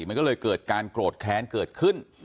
มันก็เลยเกิดการโกรธแค้นเกิดขึ้น